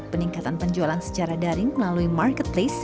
peningkatan penjualan secara digital